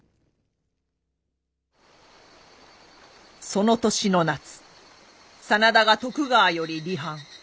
その年の夏真田が徳川より離反。